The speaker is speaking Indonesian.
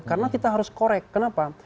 karena kita harus correct kenapa